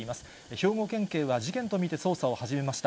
兵庫県警は事件と見て、捜査を始めました。